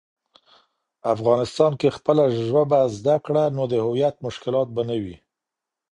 افغانسان کی خپله ژبه زده کړه، نو د هویت مشکلات به نه وي.